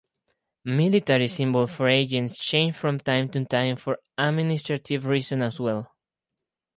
Military symbols for agents change from time to time for administrative reasons as well.